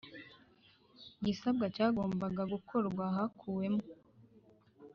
Igisabwa cyagombaga gukorwa hakuwemo